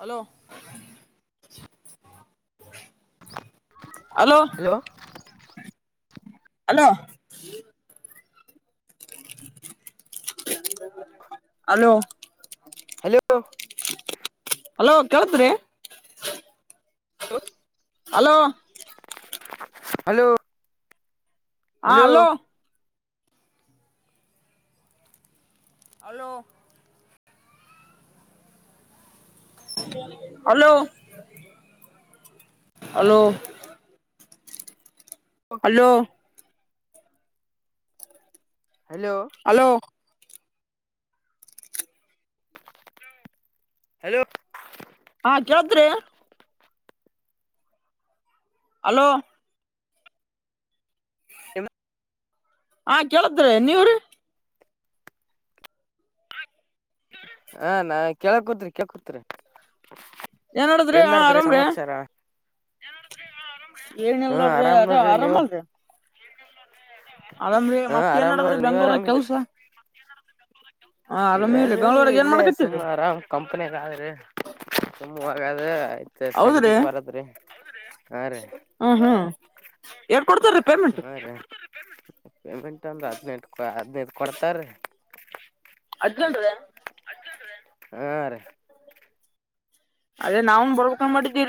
Hello hello hello hello hello hello hello ಕೇಳತ್್ರಿ ಹ hello hello ಹ hello hello hello hello hello hello hello hello hello ಹಾ ಕೇಳತ್ರಿ hello ಹಾ ಕೇಳದ್ರ ನೀವ್ರೀ ಹಾ ನಾ ಕೇಳ ಕುೂತ್ಕೇಳ್ ಕೂತ್ರಿ ಏನ್ ನಡದ್ರಿ ಹಾ ಎನ್ಡ್ ಆರಾಮ್ರೀ ಸಮಾಚಾರ ಏನಲ್ ಹಾ ನೋಡ್ರಿ ಆರಾಮ್ ಅರಾಮ ಆರಾಮ ನೀವು ಅಲ್ರಿ ಹಾ ಏನ್ ಆರಾಮ್ ನಡದ್ರಿ ನೋಡ್ರಿ ನೀವ್ ಬೆಂಗ್ಳೂರಾಗ ಆರಾಮಿದ್ರಿ ಕೆಲ್ಸ ಹಾ ಆರಾಮಿವ್ರಿ ಇಂದ ಬೆಂಗ್ಳೂರಾಗ ಏನ್ ಇಲ್ಲೇ ಸುಮ್ ಮಾಡಕತ್ತೀರಿ ಆರಾಮ್ ಕಂಪನಗ ಆದ್ರೆ ಹವಾಗದ ಆಯ್ತ್ ಸಂಜೆಕ್ ಬರತ್ ಹ ಹಾ ಎರಡು ಕೊಡ್ತಾರ ರೀ ಪೇಮೆಂಟ್ ಹಾ ರೀ ಪೇಮೆಂಟ್ ಅಂದ್ರೆ ಹದ್ನೆಂಟು ಹದನೈದು ಕೊಡ್ತಾರೀ ಅಜ್ಜಂಟದ ಹಾ ರೀ ಅದೇ ನಾವವುನ್ ಬರ [unintelligible]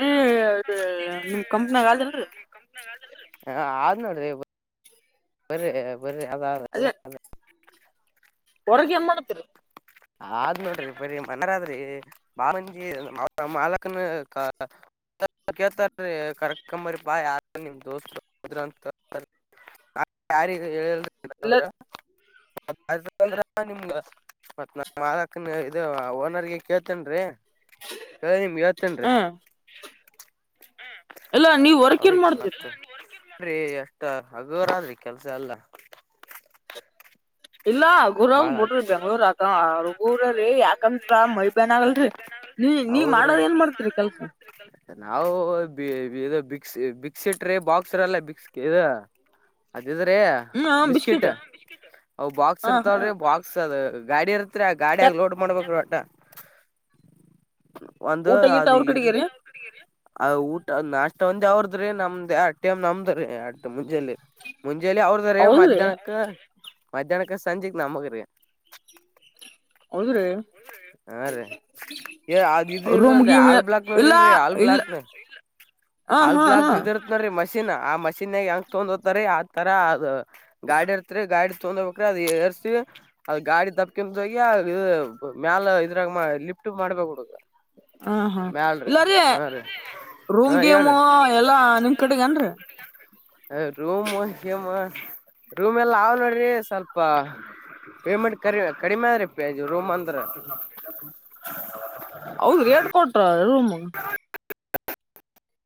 ಕಂಪ್ನಾಗ ಆದಲ್ರಿ [inaudible] ನೋಡ್ರಿ ಬ ಬರ್ರ ಅದಲ್ಲ ಹೊರ್ಗೆ ಎ ಮಾಡ್ತೀರಿ ಆದ್ ನೋಡ್ರಿ ಬರ ಮನರಾದ್ರಿ ಬಾಮಜಿ ಮಾಲಕನ ಕೇಳ್ತಾರೀ ಕರ್ಕಂಬರಿ ಬಾ ಯಾರ ನಿಮ್ ದೋಸ್ರು್ರಂತ ಯಾರ ಹೇಳ ಇಲ್ಲ ಇಲ್ಲ ನಿಮ್ ಮತ್ ನ ಮಾಲ್ಕ್ನ ಇ ಓನರ್ಗೆ ಕೇಳ್ತೇನರಿ ಕ ನಿಮ್ಗೆ ಹಳ್ತ್ತೇನ್ ಎಲ್ಲಾ ನೀವ್ ಹೊರಕ್ ಏನ್ ಮಾಡ್ತೇವೆ ನ್ರಿ ಎಷ್ಟ ಹಗೋರ ಆದ್ರಿ ಕೆಲ್ಸ ಎಲ್ಲ ಇಲ್ಲಾ ಗುರಾಗ ಬಾಳ ಬಿಡ್ರಿ ಬೆಂಗ್ಳೂರ್ಕಗುರೀ ಯಾಕತ್ ಮೈಬ್ಯಾನ್ ಆಗಲ್ರರಿ ನೀ ನೀವ್ ಹೌದ್ರಿ ಮಾಡದ ಏನ್ ಮಾಡ್ತೀರಿ ಕೆಲ್ಸ ನಾವು ಇ ಬಿಕ್ಸ್ ಬಿಕ್ ಸಿಟ್ರೀ ಬಾಕ್ಸರ್ಲ್ಲ ಬಿಕ್ಸ್ ಇ [unintelligible] ಹಾ ಇದ್ದೀರಿ ಬಿಸ್ಕಿಟ್ ಅವು ಬಾಕ್ಸ್ ಹ ಇರ್ತಾವಲ್ ಹ ಬಾಕ್ಸ್ ಅದು ಗಾಡಿ ಇರ್ತ ಹತ್ರ ಗಾಡಿಯಾಗ ಲೋಡ್ ಮಾಡ್ಬೇಕ್ರ ಆಟ ಒಂದು ಊಟ ಗೀಟ ಅದು ಅವ್ರ ಇದು ಕಡೆಗೆರಿ ಊಟ ನಾ ಒಂದ ಅವ್ರದ್ರೀ ನಮ್ದ್ ಆ ಟಮ್ ನಮ್ದ್ರೀ ಮುಂಜೆಲಿಂ ಜಲಿ ಅವ್ರದ ರೀ ಹೌದ್ರಿ ಮಧ್ಯಾಹ್ನಕ್ಕ ಮಧ್ಯಾಹ್ನಕ್ಕ ಸಂಜೆಕ್ ನಮಗ್ರಿ ಹೌದ್ರೆ ಹಾ ರೀ ಏ ಅದ್ ಇದಿಲ್ಲ್ರಿ ಹಾಲ್ ಬ್ಲಾಕ್ ಇಲ್ಲಾ ನೋಡಿಲ್ರರಿ ಹಾಲ್ ಇಲ್ಲ ಬ್ಲಾಕ್ ಹ ಅಲ್ ಹಾ ಬ್ಲಾಗ್ ಹಾ ದಿದಿರ್ತ್ ನೀ ಮ ಮಷೀನ್ ಆ ಮಷೀನ್ಗ ಹೆಂಗ ತೊಗಂದ್ ಹೋಗತರಿ. ಆ ತರ ಆ ಗಾಡಿ ಇರ್ತ್ರಿದ್ರಿ ಗಾಡಿ ತೊಗಂದ ಹೋಗಬೇಕ್ರಿ ಅದು ಏರ್ಸಿ ಅದು ಗಾಡಿ ದೊಬ್ಬಿಕಾಂತ ಹೋಗಿ ಮ್ಯಾಲ ಇದ್ರಾಗ ಲಿಫ್ಟ್ ಮಾಡ್ಬೇಕುಡುಗ ಹಾ ಹಾ ಇಲ್ಲರಿ ರೀ ಹಾ ರೂಮ್ ಗೇಮು ಹೇಳ್ರಿ ಎಲ್ಲಾ ನಿಮ್ ಕಡೆಗನ್ರರಿ ರೂಮ್ಮ್ಮ ರೂಮ್ ಎಲ್ಲ ಅವ ನೋಡ್ರಿ ಸ್ವಲ್ಪ ಪೇಮೆಂಟ್ ಕಮ ಕಡಿಮೆ ಆದ್ರಿ ಪ ರೂಮ್ ಅಂದ್ರ ಹ್ಮ [unintelligible]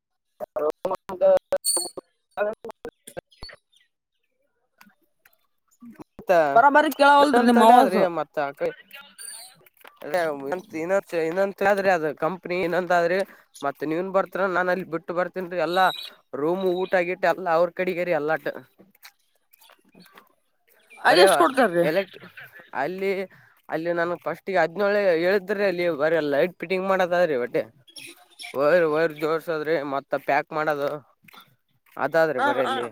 [unintelligible] ಹಾ ಆಯ್ತಾ ಬರಾಬರಿ ನ ಕೇಳವಲ್ರಿ ನಿಮ್ ತಲೆ ಆದ್ರಿ ಅವಾಜು ಮತ್ತ ಅ ಏನೊಂದು ಇನ್ನೊ್ರೆ ಅದು ಕಂ [unintelligible] ಇನ್ನಂದಾದ್ರಿ ಮತ್ತತ್ ನೀವನ್ ಬರ್ತಿರ ಅಂದ್ರನಾನ್ ಅಲ್ಲಿ ಬಿಟ್ಟ ಬರ್ತೀನ್ ಎಲ್ಲ. ರೂಮ್ ಊಟ ಆಗಿ ಅವ್ರು ಕಡಿಗೆರಿ ಎಲ್ಲಟ್ಟ. [unintelligible] ಹಾ ಬರೆಯವಾ ಎಲೆಕ್ಟ್ರಾನಿಕ್ [inaudible] ಅಲ್ಲಿ ಅಲ್ಲಿ ನನ್ ಫಸ್ಟ್ ಗೆ ಹದ್ನೇಳೆ ಹೇಳ್ತಿದ್ರಿ ಅಲ್ಲಿ ಬರೆ ಲೈಟ್ ಫಿಟ್ಟಿಂಗ್ ಮಾಡದಾದ್ರೀ ಆಟೆ. -ವಯರ್- ವಯರ್ ಜೋಡ್ಸದ್ರಿ ಮತ್ತ ಪ್ಯಾಕ್ ಮಾಡದು. ಅದಾದ್ರಿ ಹ ಬರೆ ಹ ಅಲ್ಲಿ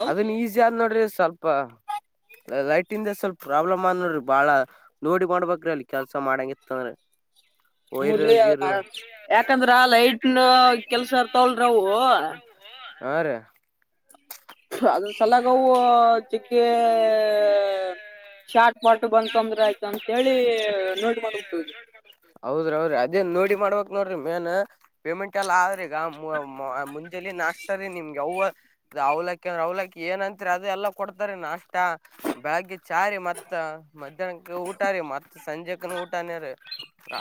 ಹೌದ ಅದನ್ ಈಸಿ ಆದ ನೋಡ್ರಿ ಸ್ವಲ್ಪ್ ಲೈಟಿಂಗದಾಗ ಸ್ವಲ್ಪ ಪ್ರಾಬ್ಲಮ್ಆದನೋಡ್ರಿ, ಬಾಳ ನೋಡಿ ಮಾಡ್ಬೇಕ್ರಿ ಅಲ್ಲಿ ಕೆಲ್ಸ ಮಾಡಾಂಗಿತ್ತೀದ್ರ. ಯಾಕಂದ್ರ ಲೈಟ್ನ ಕೆಲ್ಸ ಇರ್ತವಲ್ರಿ ಅವು ಹಾ, ರಿ ಅದ್ರ ಸಲಗವು ಅದಿಕ ಶಾರ್ಟ ನೋಡಿ ಮಾಡ್ಬಿಡ್ತೀವಿ ಹೌದ್ರಿ -ಹೌದ್ರಿ ಅದೇನ್ ನೋಡಿ ಮಾಡ್ಬೇಕ. ನೋಡ್ರಿ ಮೇನ್ ಪೇಮೆಂಟ್ ಎಲ್ಲ ಆದ್ರಿ ಈಗ ಮುಂಜೆಲಿ ನಾಷ್ಟ ರೀ ನಿಮ್ಗೆ ಯವ್ ಅವ್ಲ್ ಕ್ಕಿ ಅಂದ್ರ ಅವ್ಲಕ್ಕಿ ಏನತ್ರಿ ಅದೆ ಎಲ್ಲ ಕೊಡ್ತಾರ. ಅಷ್ಟ ಬೆಳಗೆಚಾ ರಿ ಮತ್, ಮಧ್ಯಾಹ್ನಕ್ಕ ಊಟ ರೀ ಮತ್ತ್ ಸಂಜೆಕಿನ ಊಟಾನೇ ರಿ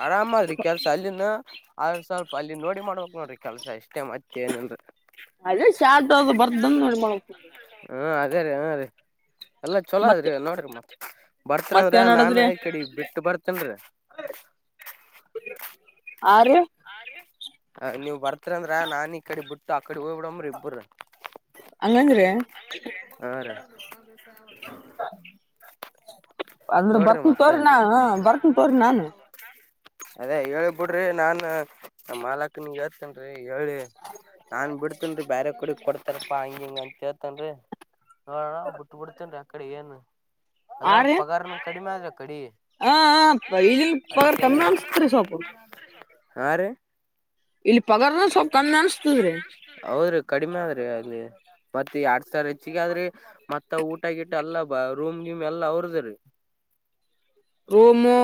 ಆರಾಮ ಆದ್ರಿ ಕೆಲ್ಸಾ. ಅಲ್ಲಿನ ಆದ್ರ ಸ್ವಲ್ಪ ಅಲ್ಲಿ ನೋಡಿ ಮಾಡ್ಬೇಕ್ ನೋಡ್ರಿ ಕೆಲ್ಸ ಅಷ್ಟೇ ಮತ್ತೇ ಏನಲ್ರಿ‌ ಅದೇ ಶ್ಟ ಅ ಬರ್ದ ಮಾಡ [unintelligible] ಹ್ಮ ಅದೇ ರೀ ಹ್ಮ್ ರೀ ಎಲ್ಲ ಚಲೋ ಅದ್ರೀ ಮತ್ತೆ ನೋಡ್ರಿ ನೀವು. ಹತ್ರ ಅಂದ್ರ ಮತ್ತೇನ್ ನಾನು ನಡದ್ರಿ ಈ ಕಡೆ ಬಿಟ್ಟು ಬರ್ತೇನ್ರಿ. ಹಾ, ರಿ ಹ ನೀವ್ ಬರ್ತ್ನಂದ್ರ ನಾನ ಈ ಕಡೆ ಬಿಟ್ಟು ಆಕಡೆ ಹೋಗ್ಬ ಬಿಡಂಬ್ರ ಇಬ್ಬರು. ಹಂಗಂದ್ರಾ! ಹಾ, ರಿ - ಅಂದ್ರ ಬರ್ತನಿ ತೋಗರಿ ನಾನ್ ಬರ್ತಿನಿ ತೋಗರಿ ನಾನು. ಅದೇ ಹೇಳಿ ಬುಡ್ರಿ ನಾನ್ ನಮ್ ಮಾಲಕ್ ನೀಗೆ ಹೇಳ್ತಿನಿ. ಹೇಳಿ ನಾನ್ ಬಿಡ್ತೇನ್ರಿ ಬ್ಯಾರೆ ಕಡಿ ಕೊಡ್ತಾರಪ್ಪಾ ಹಂಗ ಹಿಂಗ ಅಂತ ಹೇಳ್ತನ್ರಿ, ನೋಡಣ ಬಿಟ್ಟ ಬುಟಬಿಡ್ತೀನಿ. ಆಕಡೆ ಏನ್ ಆ ಅದ್ರಾಗ ರೀ ಪಗಾರನ ಕಡಿಮೆ ಆದ್ರಿ ಹಾ, ಆಈದನ್ ಪಗರ್ ಅದಕ್ಕೇನ ಕಮ್ಮಿ ಅನ್ಸತ್ರಿ ಸ್ವಲ್ಪು. ಹಾ, ರೀ- ಪಗಾರ್ನ ಸ್ವಲ್ಪ ಕಮ್ಮಿ ಅನ್ಸ್ತದ್ರಿ ಹೌದ್ರಿ ಕಡಿಮೆ ಆದ ರಿ ಮತ್ತ ಎರಡ್ ಸಾವಿರ ಹೆಚ್ಚಗ ಆದ್ರಿ ಮತ್ತ ಊಟ ಗಿಟ ಎಲ್ಲಾ ಬರೂಮ್ ಗಿಮ್ ಎಲ್ಲಾ ಅವರದೆ ರಿ. [inaudible] [inaudible] ರೂಮು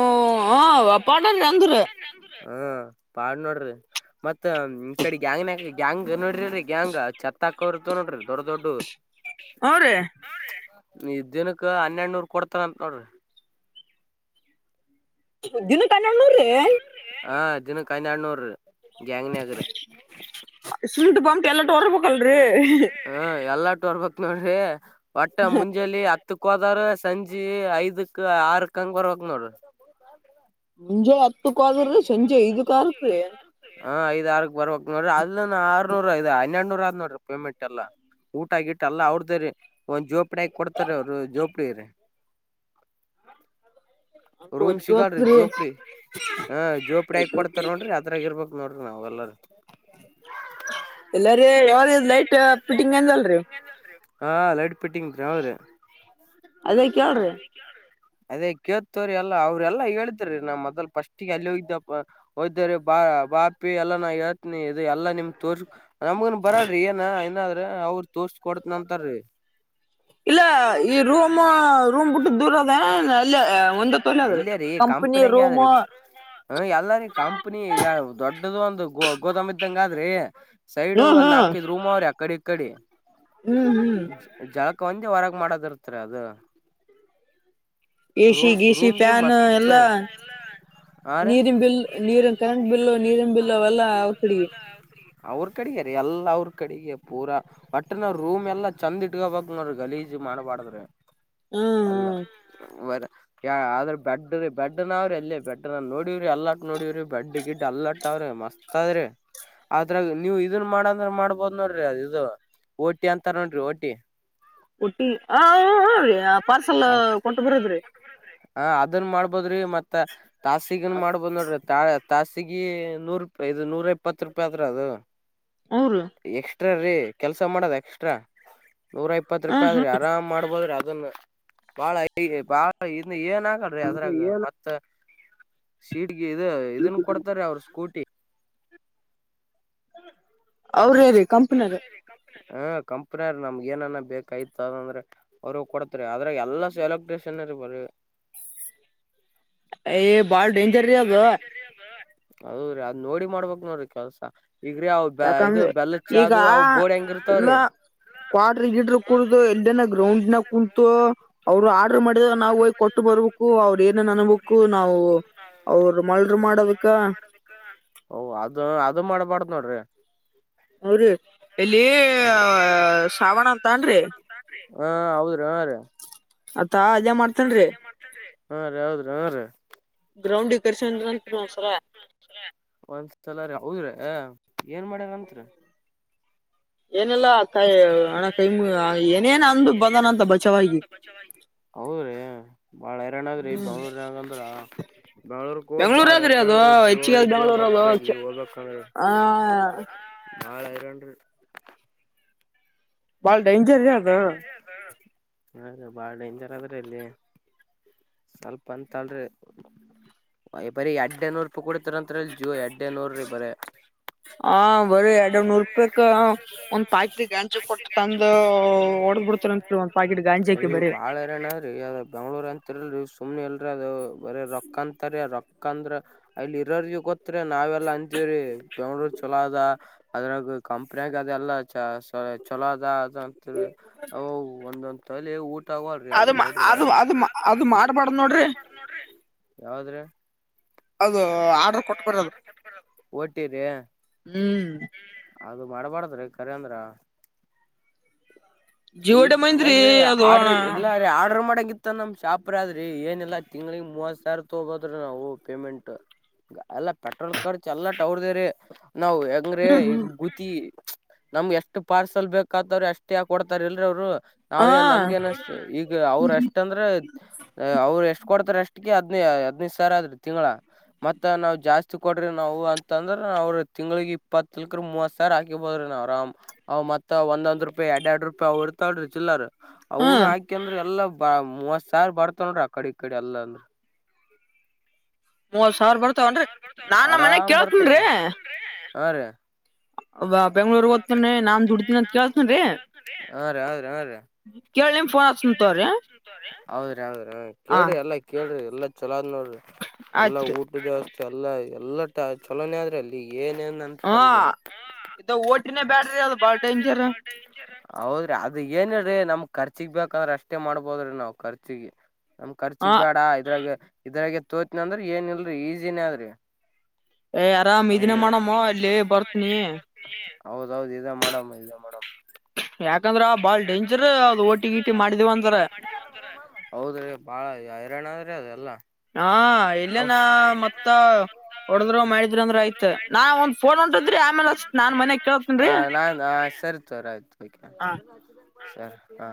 ಹ ಅಪಾರ್ಟ್ಮೆಂಟ್ ಅಂದ್ರ ಹ್ಮ, ಪಾಡ್ ನೋಡ್ರಿ ಮತ್ತ, ಇ ಕಡೆ ಗ್ಯಾಂಗ್ ನ ಗ್ಯಾಂಗ್ ನೋಡ್ರಿಅಲ್ರಿ ಗ್ಯಾಂಗ್ ಚತ್ತಾಕ್ಕೊರ ಇರ್ತವ್ ನೋಡ್ರಿ., ದೊಡ್ಡ- ದೊಡ್ಡವು. ಹ್ಞೂ ರೀ ಇದ್ ದಿನಕ್ಕ ಹನ್ನೆರಡುನೂರ್ ಕೊಡ್ತಾರ ಅಂತ ನೋಡ್ರಿ, ದಿನಕ ಹನ್ನೇರಡ್ನೂರಿ!, ದಿನಕ್ಕೆ ಹನ್ನೆಡ್ನೂರು ಹ [unintelligible] [unintelligible] ನೋಡ್ರಿ ಒಟ್ಟ ಮುಂಜೆಯಲ್ಲಿ ಹ ಹತ್ತಕಹೋದರುಸಂಜೆ ಐದಕ್, ಆರಕ್ ಹಂಗ ಬರ್ಬೇಕ್ ನೋಡ್ರಿ, ಮುಂಜೇಲ ಹ, ಐದ ಆರಕ್ ಬರ್ಬೇಕ ನೋಡ್ರಿ. ಅದ ಆರು ನೂರ ಹನ್ನೆರಡ್ನೊರ ಆದ್ ನೋಡ್ರಿ ಪೇಮೆಂಟ್ ಎಲ್ಲಾ ಊಟ ಗಿಟೇಲ್ಲ ಅವ್ರದ್ದೇರಿ. - ಒಂದ್ ಜೋಪಡಿಹಾಕಿ ಕೊಡ್ತಾರೆ ಅವ್ರು ಜೋಪಡಿರಿ. ಅಂದ್ರ ರೂಮ್ ಸಿಗಲ್ರಿ ಒಜ್ಜೋತ್ರಿ ಜೋಪ್ಡಿ. ಹ್, ಜೋಪ್ಡಿ ಆಕಿ ಕೊಡ್ತಾರ ನೋಡ್ರಿ ಅದರಾಗ ಇರ್ಬೇಕ್ ನೋಡ್ರಿ ನಾವ್ ಎಲ್ಲಾರ. ಎಲ್ಲಾರಿೀಯ [unintelligible] ಯಾರ್ ಲೈಟ್ ಫಿಟಿಂಗ್ ಎಂದ ಅಲ್ರಿ ಹಾ, ಲೈಟ್ ಪಿಟ್ಟಿಂಗ್ ಹಾ, ರಿ ಅದೇ ಕೇಳ್ರಿ [inaudible] ಅದೇ ಕೇಳ್ತ್ತೋರಿ ಎಲ್ಲ ಅವ್ರೆಲ್ಲಾ ಹೇಳಿದ್ರೀ ನಾ್ ಮೊದಲ್ ಫಸ್ಟ್ಗೆ ಅಲ್ಲಿ ಹೋಗ್ದ ಹೋದ್ದ್ರ ಬಾ ಬಾಪಿ ಎಲ್ಲಾ ನಾ ಹೇಳ್ತನಿ ಇದು ಎಲ್ಲ ನಿಮ ತೋರ್ಸಿ ನಮಗನ್ ಬರಲರಿ ಏನ ಏನಾದ್ರ ಅವ್ರ ತೋಸ್ ಕೊಡತ್ ನಂತರ ರೀ ಇಲ್ಲ ಈ ರೂಮ್ಮ ರೂಮ್ ಬಿಟ್ಟು ದೂರ ಅದ ಅಲ್ಲಿ ಒಂದ ತೋಲೆ ಅದ ಅಲ್ಲೇ ರೀ ಕಂಪನಿ ಕಂಪನಿಗೆ ರೂಮ್ ಆದ್ರಿ ಹ ಎಲ್ಲಾರಿೀ ಕಂಪ್ನಿ ಈಗ ದೊಡ್ಡ ದೊಡ್ಡದು ಒಂದು ಗೋದಾಮ ಇದ್ದಂಗ ಆದ್ರಿ ಸೈಡ್ ಹ್ಮ್ ಹ್ಮ್ ಒಂದ್ ನಾಕೈದು ರೂಮ್ ಅವ್ರಿ ಅಕಡಿ ಇಕ್ಕಡಿ ಹ್ಮ್ ಹ್ಮ್ ಒಂದೇ ಹೊರಗ ಮಾಡದ ಇರ್ತ್ರಿ ಅದು ಎ ಸಿ ರೂಮ್ ಗಿ ಸಿ ರೂಮ್ಗೆ ಫ್ಯಾನ್ ಮಸ್ತ್ ಎಲ್ಲಾ ಹಾ ರೀ ನೀರಿನ ಬಿಲ್ ನೀರಿ ಕರೆಂಟ್ ಬಲ್ ನೀರಿನ ಬಿಲ್ ಅವೆಲ್ಲ ಅವರಕಡಿಗೆ ಅವ್ರ ಕಡೆಗೆ ರೀ ಎಲ್ಲ ಅವ್ರ ಕಡೆಗೆ ಪೂರ ಒಟ್ಟ ನಾವ್ ರೂಮ್ ಚಂದ ಇಟ್ಕಬೇಕು ನೋಡ್ರಿ ಗಲೀಜ್ ಮಾಡಬರಧ್ರಿ ಹ್ಮ್ ಅಲ್ಲ ಹ್ಮ್ ಯ ಆದ್ರೆ ಬೆಡ್ ಬೆಡ್ನಾವ್ರಿ ಎಲ್ಲಿ ಬೆಡ್ಡನ ನೋಡವ್ರಿ ಎಲ್ಲಾಟ್ಟ ನೋಡವ್ರಿ ಬೆಡ್ ಗಿಡ್ ಏಲ್ಲಟ್ಟ ಅವ ಮಸ್ತ್ ಅದರಿ ಅದ್ರಾಗ ನೀವು ಇದನ್ ಮಾಡಂದ್ರ ಮಾಡ್ಬೋದ್ ನೋಡ್ರಿ ಅದು ಇದು ಓಟಿ ಅಂತಾರ ನೋಡ್ರಿ ಓಟಿ ಒ ಟಿ ಆ ರೀ ಆ ಪಾರ್ಸೆಲ್ ಕೊಟ್ಟು ಬರದ್ರಿ ಹ ಅದನ್ ಮಾಡ್ಬೋದ್ರಿ ಮತ್ತ ತಾಸಿಗನ್ ಮಾಡ್ಬೋದ್ ನೋಡ್ರಿ ತಾ ತಾಸಗಿ ನೂರುಿ ಇದು ನೂರ ಇಪ್ಪತ್ತು ರೂಪಾಯಿ ಅತ್ರ ಅದು ಅವರು ಎ್ರ ರೀ ಕೆಲ್ಸ ಮಾಡದ ಎಕ್ಸ್ಟ್ರಾ ನೂರ ಇಪ್ಪತ್ತು ರೂಪಾಯಿ ಹ್ಮ್ ಆದ್ರಿ ಆರಾಮ್ ಮಾಡ್ಬೋದ್ರಿ ಅದನ್ನ ಬಾಳ ಬಾಳ ಇನ್ನು ಏನ್ ಅಗಲ್ರಿ ಅದ್ರಾಗ ಮತ್ತ ಸೀಟ್ಗೆ ಇದ ಇದನ್ನು ಕೊಡ್ತಾರೆ ಅವ್ರ ಸ್ಕೂಟಿ ಅವ್ರ ರೀ ಕಂಪನರ ಹ ಕಂಪನಿಯೇರ್ ನಮ್ಗೆ ಏನ ಬೇಕಾಯತ ಅದಂದ್ರೆ ಅವ್ರು ಕೊಡ್ತ ಆದ್ರೆ ಎಲ್ಲ ಎಲೆಕ್ಟ್ರಿಷಿಯನ್ [unintelligible] [inaudible] ಬಾಳ ಡೇಂಜರ್ ರೀ ಅದು ಅೌದ್ರೀ ಅದ್ ನೋಡಿ ಮಾಡ್ಬಕ್ ನೋಡ್ರಿ ಕೆಲ್ಸ ಈಗ್ರೀ ಅ ಇದು ಯಾಕಂದ್ರ ಬೆಲ್ಲ ಚಾದು ಅವು ಬೋರ್ಡ್ ಹೆಂಗ ಇರ್ತಾವ್ರಿ ಕ್ವಟರ್ ಗಿಡ್ರ ಕುೂಡು ಎಲ್ಡನ ಗ್ರೌಂಡ್ ನಾಗ ಕುಂತು ಅವರು ಆರ್ಡರ್ ಮಾಡ ನಾವು ಕೊಟ್ಟು ಬರ್ಬೇಕು ಅವ್ರರು ಏನೇನ್ ಅನ್ಬೇಕು ನಾವು ಅವರು ಮಲ್ರ್ ಮಾಡಬೇಕ ಓ ಅದ ಅದು ಮಾಡಬಾರ್ದ್ ನೋಡ್ರಿ ಹು ರಿ ಇಲ್ಲಿ ಅದು ಶಾವಣ ಅಂತನ್ರಿ ಹಾ ಹೌದ್ರೀ ಹಾ ರೀ ಅತ್ತಾ ಅದೇ ಮಾಡ್ತನ್ ಹಾ ರೀ ಹೌದ್ರೀ ಹಾನ್ ರೀ ಗ್ರೌಂಡ ಒಂದ್ ಸ್ಲ ಹೌದ್ರ ಏನ್ ಮಾಡ್ಯಾರತ್ರಿ ಏನೆಲ್ಲ ಕೈ ಏನೆಲ್ಲಾಣ ಹಣ ಕೈ ಮು- ಏನೇನ್ ಅಂದು ಏನೇನ ಬಂದನಂತ ಅಂದು ಬಚಾವಾಗಿ ಬಂದು ಬಚಾವ್ [unintelligible] ಬೆಂಗ್ಳೂರ್ಂಗಂದ್ರ ಬೆಂಗಳೋರ್ ಹೋದ್ ಬಾಳ ಬೆಂಗಳೂರಾಗ್ರಿ ಅದು ಹೆಚ್ಚಿಗೆ ಬೆಂಗಳೂರು ಅದು ಆ [unintelligible] ನಾಳೆ ಇರಾನ್ರೀ ಬಾಳ ಡೇಂಜರ್ ರೀ ಅದು ಬಾಳ ಡೇಂಜರ್ ಆದ್ರೆ ಇಲ್ಲಿ ಸ್ವಲ್ಪ ಅಂತಳ್ರಿ ಬರಿೀ ಎಡ್ಡೆ ನೂರು ರೂಪಾಯಿ ಕುಡತಾರಂತರಿ ಜೂ ಎಡ್ಡನೂರ ರೀ ಬರ ಆ ಬರೀ ಎರಡ್ ನೂರು ರೂಪಾಯಕ್ ಒಂದ್ ಪಾಕಟ್ ಗಂಜ ಕೊಟ್ಟು ತಂದು ಹೊಡದ್ ಬಿಿಡ್ ಅ ಬಾಳ ಹೈರಾಣಾರಿ ಅ ಬೆಂಗ್ಳೂರ್ ಅಂತಿರಲ್ರಿ ಸುಮ್ನೆ ಎಲ್ರಿ ಅದು ಬರ ರೊಕ್ಕ ಅಂತರಿ ರೊಕ್ಕ ಅಂದ್ರ ಅಲ್ಲಿ ಇರೋರಿ ಗೊತ್ರಿ ನಾವೆಲ್ಲಾ ಅಂಜೀರಿ ದವನರು ಚಲೋ ಅದ ಅದ್ರಾಗ ಕಂಪ್ನಿಯಾಗ ಅದೆಲ್ಲ ಚಲೋ ಅದ ತ ಅ ಒಂದೊಂತಲ್ಲಿ ಊಟ ಆಗವಲ್ರಿ ಅದು ಅದ ನೋಡ್ರಿ ಅದು ಅದು ಅದು ಮಾಡಬಾರಡ್ದ ನೋಡ್ರಿ ಯಾವದ್ರೆ ಅದು ಆರ್ಡರ್ ಕೊಟ್ಟ ಬರ ಅದು ಓಟ್ಟಿರಿಿ ಹ್ಮ್ ಅದು ಮಾಡಬಾರ್ದ್ರಿ ಕಖರಿ ಅಂದ್ರ ಜಿವಡೆ ಮೈಂದ್ರಿ ಅಲ್ರಿ ಅದು ಆರ್ಡ್ರ ಅಣ ಎಲ್ಲ ಆರ್ಡ್ರ ಮಾಡಂಗಿ ಮತ್ತ ನಮ ಶಾಪರ್ ಆದ್ರಿ ಏನಿಲ್ಲಾ ತಿಂಗ್ಳಿಗೆ ಮೂವತ್ ಸಾವರ ತಗೋದ್ರ ನಾವು ಪೇಮೆಂಟ್ ಅಲ್ಲಾ ಪೆಟ್ರೋಲ್ ಖರ್ಚ ಎಲ್ಲ ಟ ಅವರ್ದ್ರೀ ನಾವವು ಹೆಂಗ್ರೆ ಈಗ ಗುತಿ ನಮ್ಗೆ ಎಷ್ಟ್ ಪಾರ್ಸಲ್ ಬೇಕತವ್ರೆ ಅಷ್ಟೇ ಯ ಕೊಡ್ತಾರೆ ಎಲ್ರ ಅವ್ರು ಹಾ ನಾವೇಏನ್ ನಮ್ಗೆ ಏನಷ್ಟ ಈಗ ಅವ್ರ ಎಷ್ಟ ಅಂದ್ರೆ ಅವ್ರರು ಎಷ್ಟ್ ಕೊಡ್ತಾರೆ ಎಷ್ಟ ಒಗೆ ಹದ್ಹದ್ದು ಸಾವರ ಆದ್ರಿ ತಿಂಗಳ ಮತ್ತ ನಾವ್ ಜಾಸ್ತಿ ಕೊಡ್ರಿ ನಾವು ಅಂತಂದ್ರ ಅವ್ರ ತಿಂಗಳಗ್ ಇಪ್ಪತ್ಲ್ಕ ಮೂವತ್ ಸಾವಿರ ಹಾಕಿಬೋದಿ ಆರಾಮ್ ಅವ ಮತ್ತ ಒಂದ್ಂದ್ ರೂಪಾಯಿ ಅಡ್ ಆ ಇಡ್ತಾವ್ರಿ ಚಿಲ್ಲರ್ ಹಾ ಅವ್ನು ಹಾಕಿ ಅಂದ್ರೆ ಎಲ್ಲ ಬ ಮೂವತ್ ಸಾವ ಬರ್ತವೋ್ರ ಆ ಕಡೆ ಕಡೆ ಅಲ್ಲ ಅಂದ್ರ ಮೂವತ್ ಸಾವಿರ ಬರ್ತಾವನ್ರಿ ನಾನ್ ನಮ್ ಮನ್ಯಾಗ ಆರಾಮ್ ಬರ್ತದೆ ಹಾ ರೀ ಬೆಂಗ್ಳೂರು ನಾಮ ಜೋಡತು ನ ಕೇಳತ ರೇ ಹಾ ರೀ ಹದ್ರೀಾ ರೀ ಹಚ್ತನ್ ತಗೋರಿ ಹೌದ್ರಿ ಹೌದ್ರಿ ಹಾ ಕೇಳ್ರಿ ಎಲ್ಲ ಕೇಳ್ರಿ ಎಲ್ಲ ಚಲೋಾದ್ ನೋಡ್ರಿ ಎಲ್ಲಾ ಆಯ್ತ್ರಿ ಊಟದ ಜ್ಯವಸ್ತಿ ಎಲ್ಲಾ ಎಲ್ಲ ಚಲೋಾನೇ ಆದ್ರೆ ಅಲ್ಲಿ ಏನೇನ್ ಹಾ ಅಂತಲ್ರಿ ಇದು ಓಟಿನ ಬ್ಯಾಟ್ರಿ ಅದು ಬಾಳ ಟಂಚರ್ ಅ ಏನ್ ಹೇಳರಿ ನಮ ಖರ್ಚಿಗ್ ಬೇಕಾದ್ರೆ ಅಷ್ಟೇ ಮಾಡ್ಬೋದ್ರೀ ನಾವ್ ಖರ್ಚಿಗೆ ನಮ್ ಖರ್ಚಗ್ ಹಾ ಬೇಡ ಇದ್ರಾಗ ಇದ್ರಾಗ ತೋತ್ನ ಅಂದ್ರ ಏನ್ ಇಲ್ರರಿ ಈಜಿನೇ ಆದದ್ರಿ ಯ ಹೌದೌದ ಇದ ಮಾಡಮ್ಮ ಇದ ಮಾಡಮ್ಮ ಯಾಕಂದ್ರ ಬಾಳ್ ಯ ಡೇಂಜರ್ ಅದು ಓಟಿ ಗೀಟಿ ಮಾಡಿದೀವ ಅಂದ್ರ ಹೌದ್ರೀ ಬಾಳ ಯಾರನ್ರ ಅರ ಅದ ಅಲ್ಲ ಹಾ ಇಲ್ಲೇ ನ ಮತ್ತ ಹೊಡದ್ರು ಮಾಡಿದ್ರ ಅಂದ್ರೆ ಆಯ್ತ ನಾ ಒಂದ್ ಫೋನ್ ಉಂಟ ಹ ನಾನ್ ಹ ಸರಿ ತರ ಆಯ್ತು ಬ ಹಾ ಸ ಹಾ